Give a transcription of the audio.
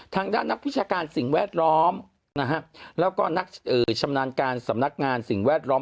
ทางด้านนักวิชาการสิ่งแวดล้อมนะฮะแล้วก็นักชำนาญการสำนักงานสิ่งแวดล้อม